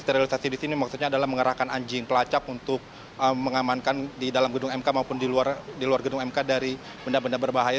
sterilisasi di sini maksudnya adalah mengerahkan anjing pelacak untuk mengamankan di dalam gedung mk maupun di luar gedung mk dari benda benda berbahaya